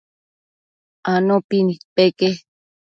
Anopi nidpeque